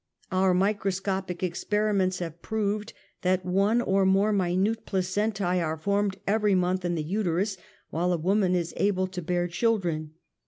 Our microscopic experiments have proved that one or more minute placentae are formed every month in the uterus while a woman is able to bear children.